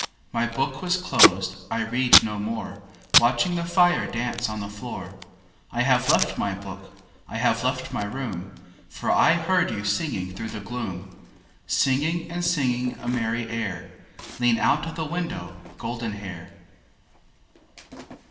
My book was closed, I read no more, Watching the fire dance On the floor. I have left my book, I have left my room, For I heard you singing Through the gloom. Singing and singing A merry air, Lean out of the window, Goldenhair.